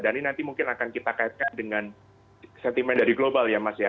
dan ini nanti mungkin akan kita kaitkan dengan sentimen dari global ya mas ya